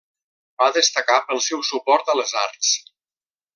Va destacar pel seu suport a les arts.